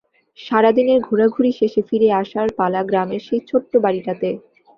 সারা দিনের ঘোরাঘুরি শেষে ফিরে আসার পালা গ্রামের সেই ছোট্ট বাড়িটাতে।